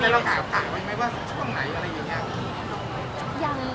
ว่าช่วงไหนอะไรยังยัง